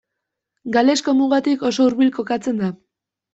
Galesko mugatik oso hurbil kokatzen da.